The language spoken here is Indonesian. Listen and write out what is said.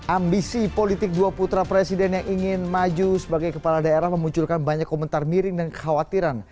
ambisi politik dua putra presiden yang ingin maju sebagai kepala daerah memunculkan banyak komentar miring dan kekhawatiran